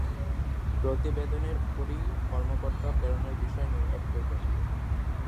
প্রতিবেদনের উপরই কর্মকর্তা প্রেরণের বিষয় নির্ভর করবে।